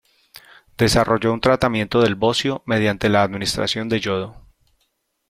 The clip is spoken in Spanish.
Desarrolló un tratamiento del bocio, mediante la administración de yodo.